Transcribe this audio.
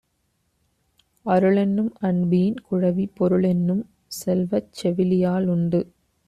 அருளென்னும் அன்பீன் குழவி, பொருளென்னும் செல்வச் செவிலியால் உண்டு.